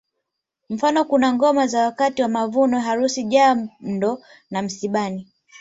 Mfano kuna ngoma za wakati wa mavuno harusi jando na msibani